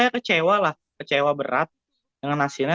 kecewalah kecewa berat dengan hasilnya